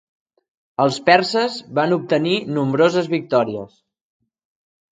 Els perses van obtenir nombroses victòries.